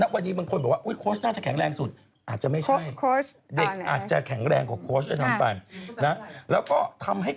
วันนี้ใครต้องการยากสลบมากน้อย